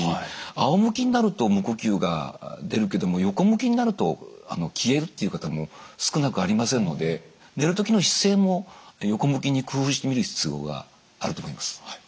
あおむきになると無呼吸が出るけども横向きになると消えるっていう方も少なくありませんので寝る時の姿勢も横向きに工夫してみる必要があると思います。